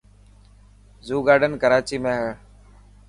زو گارڊن ڪراچي ۾ هي.